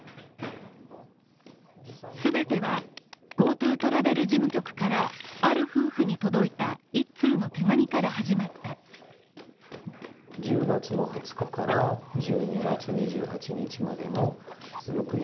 全てはＧｏＴｏトラベル事務局から、ある夫婦に届いた一通の手紙から始まった夫婦はそのホテルの名前すら知らない。